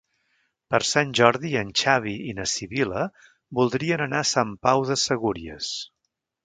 Per Sant Jordi en Xavi i na Sibil·la voldrien anar a Sant Pau de Segúries.